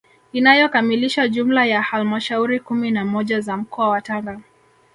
Inayokamilisha jumla ya halmashauri kumi na moja za mkoa wa Tanga